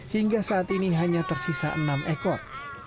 hingga saat ini hanya tersisa enam ekor